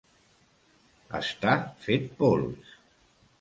Estar fet pols.